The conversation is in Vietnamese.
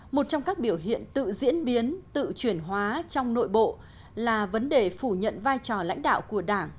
một trong các biểu hiện tự diễn biến tự chuyển hóa trong nội bộ là vấn đề phủ nhận vai trò lãnh đạo của đảng